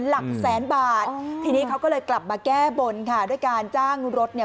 หลักแสนบาททีนี้เขาก็เลยกลับมาแก้บนค่ะด้วยการจ้างรถเนี่ย